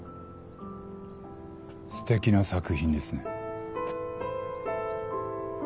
すてきな作品ですね。